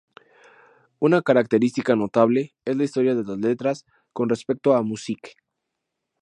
Una característica notable es la historia de las letras con respecto a "Musique".